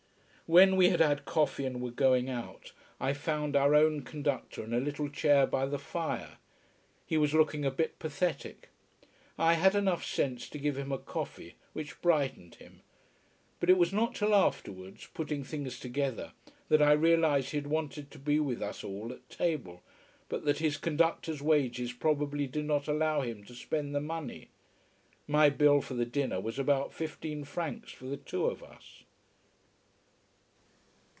When we had had coffee and were going out, I found our own conductor in a little chair by the fire. He was looking a bit pathetic. I had enough sense to give him a coffee, which brightened him. But it was not till afterwards, putting things together, that I realized he had wanted to be with us all at table, but that his conductor's wages probably did not allow him to spend the money. My bill for the dinner was about fifteen francs, for the two of us.